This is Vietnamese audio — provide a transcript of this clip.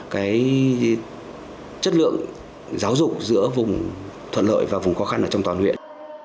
cái chất lượng giáo dục giữa vùng thuận lợi và vùng khó khăn ở trong toàn huyện